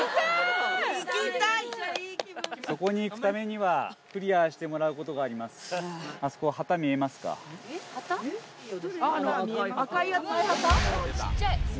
そこに行くためには、クリアしてもらうことがあります。